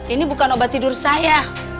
ini bukan obat tidur saya